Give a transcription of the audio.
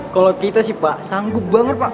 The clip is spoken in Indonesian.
kalau kita sih pak sanggup banget pak